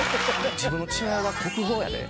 「自分の父親が国宝やで。